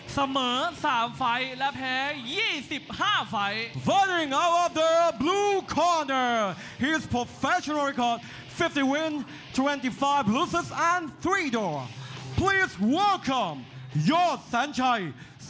เสมอ๓ไฟและแพ้๒๕ไฟ